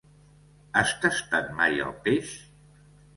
Has tastat mai el peix?